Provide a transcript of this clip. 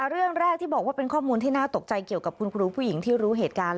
เรื่องแรกที่บอกว่าเป็นข้อมูลที่น่าตกใจเกี่ยวกับคุณครูผู้หญิงที่รู้เหตุการณ์